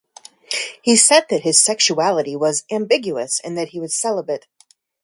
He said that his sexuality was 'ambiguous' and that he was celibate.